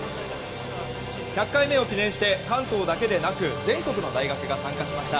１００回目を記念して関東だけでなく全国の大学が参加しました。